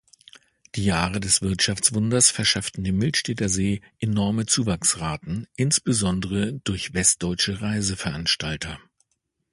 Die Jahre des „Wirtschaftswunders“ verschafften dem Millstätter See enorme Zuwachsraten, insbesondere durch westdeutsche Reiseveranstalter.